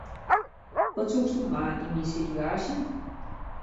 Wat soesto dwaan yn myn situaasje?